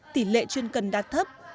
tỷ lệ chuyên cần đã thấp